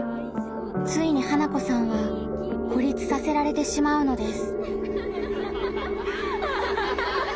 ついに花子さんは孤立させられてしまうのです。